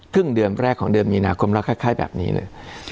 ครึ่งเดือนแรกของเดือนมีนาคมแล้วคล้ายแบบนี้เลย